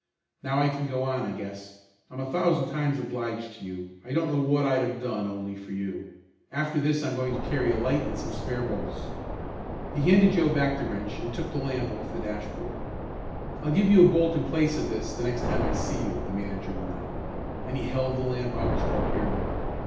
"Now I can go on, I guess. I'm a thousand times obliged to you. I don't know what I'd have done only for you. After this I'm going to carry a light, and some spare bolts." He handed Joe back the wrench and took the lamp off the dashboard. "I'll give you a bolt in place of this the next time I see you," the manager went on, as he held the lamp out to our hero.